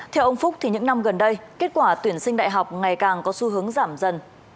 theo ông phúc những năm gần đây kết quả tuyển sinh đại học ngày càng có xu hướng giảm dần